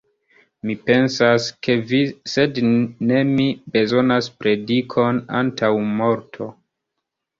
Mi pensas, ke vi, sed ne mi, bezonas predikon antaŭ morto.